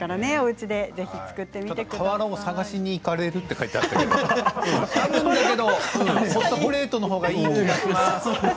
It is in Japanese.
瓦を探しに行かれるって書いてあったけどホットプレートのほうがいい気がします。